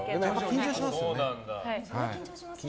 緊張しますよね。